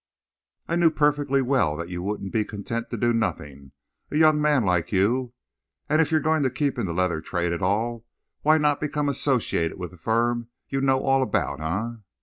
"I knew perfectly well that you wouldn't be content to do nothing, a young man like you, and if you're going to keep in the leather trade at all, why not become associated with a firm you know all about, eh?